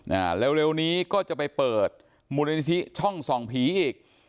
อ่าเร็วเร็วนี้ก็จะไปเปิดมูลนิธิช่องส่องผีอีก